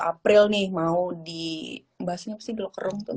iya per provinsi iya per provinsi itu perbundesland sih sebenarnya mereka itu di provinsi